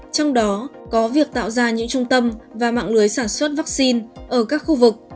trong đó có việc tạo ra những trung tâm và mạng lưới sản xuất vaccine ở các khu vực